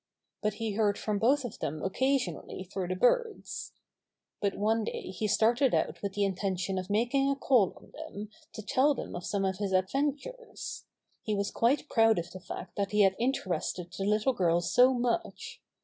But he heard from both of them oc casionally through the birds. But one day he started out with the inten tion of making a call on them to tell them of some of his adventures. He was quite proud of the fact that he had interested the little girl so much.